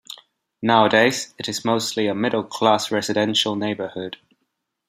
Nowadays, it is mostly a middle-class residential neighborhood.